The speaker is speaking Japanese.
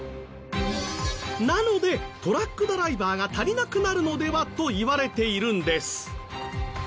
なのでトラックドライバーが足りなくなるのでは？といわれているんです。